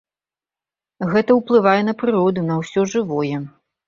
Гэта ўплывае на прыроду, на ўсё жывое.